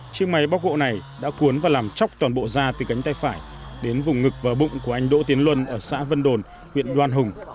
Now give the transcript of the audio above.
chiếc máy bóc gỗ này đã cuốn và làm chóc toàn bộ da từ cánh tay phải đến vùng ngực và bụng của anh đỗ tiến luân ở xã vân đồn huyện đoan hùng